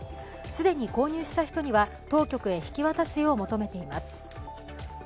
既に購入した人には当局へ引き渡すよう求めています。